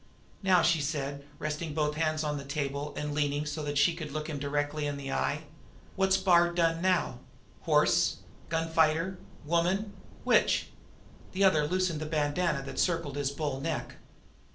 "Now," she said, resting both hands on the table and leaning so that she could look him directly in the eye: "What's Bard done now? Horse gun fighter woman; which?" The other loosened the bandanna which circled his bull neck.